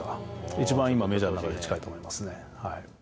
一番今、メジャーの中で近いと思いますね。